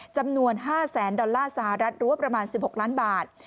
จำนวน๕แสนดอลลาร์สหรัฐรั้วประมาณ๑๖ล้านบาท